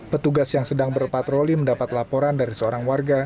petugas yang sedang berpatroli mendapat laporan dari seorang warga